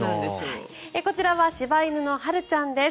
こちらは柴犬の、はるちゃんです。